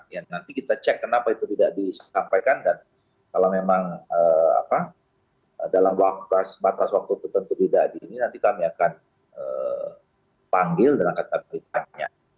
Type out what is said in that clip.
ya nanti kita cek kenapa itu tidak disampaikan dan kalau memang dalam batas waktu tertentu tidak adil ini nanti kami akan panggil dan akan diberikannya